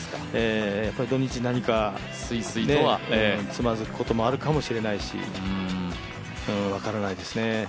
土日何か、つまずくこともあるかもしれないし、分からないですね。